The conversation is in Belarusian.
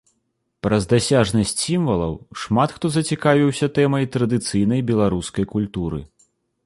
Праз дасяжнасць сімвалаў шмат хто зацікавіўся тэмай традыцыйнай беларускай культуры.